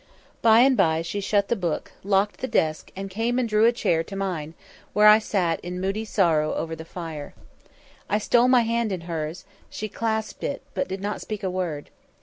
By and by she shut the book, locked the desk, and came and drew a chair to mine, where I sat in moody sorrow over the fire. I stole my hand into hers; she clasped it, but did not speak a word.